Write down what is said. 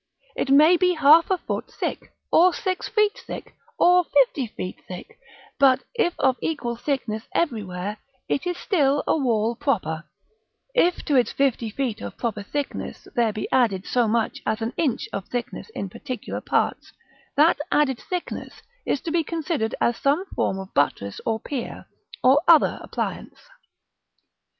It may be half a foot thick, or six feet thick, or fifty feet thick; but if of equal thickness everywhere, it is still a wall proper: if to its fifty feet of proper thickness there be added so much as an inch of thickness in particular parts, that added thickness is to be considered as some form of buttress or pier, or other appliance.